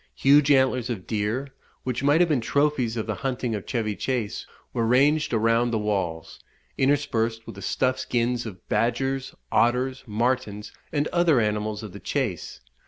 Huge antlers of deer, which might have been trophies of the hunting of Chevy Chace, were ranged around the walls, interspersed with the stuffed skins of badgers, otters, martins, and other animals of the chase.